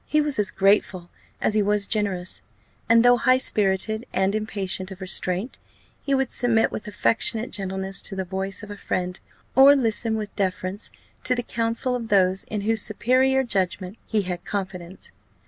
He was as grateful as he was generous; and though high spirited and impatient of restraint, he would submit with affectionate gentleness to the voice of a friend, or listen with deference to the counsel of those in whose superior judgment he had confidence.